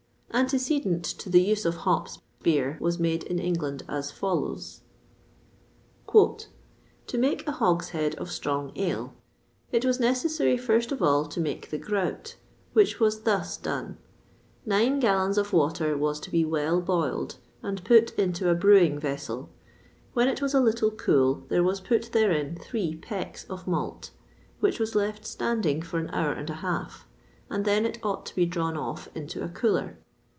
Antecedent to the use of hops beer was made in England as follows: "To make a Hogshead of Strong Ale. It was necessary, first of all, to make the grout, which was thus done: Nine gallons of water was to be well boiled, and put into a brewing vessel; when it was a little cool there was put therein three pecks of malt, which was left standing for an hour and a half, and then it ought to be drawn off into a cooler.